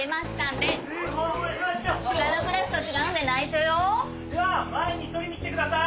では前に取りに来てください。